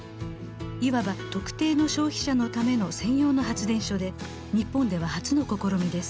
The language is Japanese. いわば特定の消費者のための専用の発電所で日本では初の試みです。